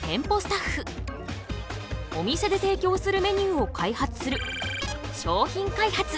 お店で提供するメニューを開発する商品開発。